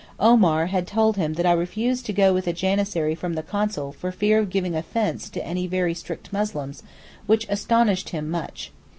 Omar had told him that I refused to go with a janissary from the Consul for fear of giving offence to any very strict Muslims, which astonished him much.